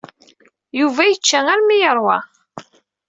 Yuba yečča armi ay yeṛwa.